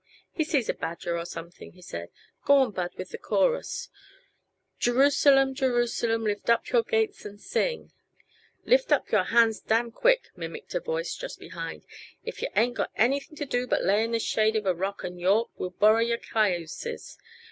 "He sees a badger or something," he Said. "Go on, Bud, with the chorus." "Jerusalem, Jerusalem, Lift up your gates and sing." "Lift up your hands damn quick!" mimicked a voice just behind. "If yuh ain't got anything to do but lay in the shade of a rock and yawp, we'll borrow your cayuses.